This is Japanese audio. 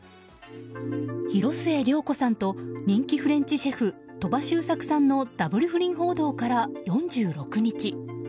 広末涼子さんと人気フレンチシェフ鳥羽周作さんのダブル不倫報道から４６日。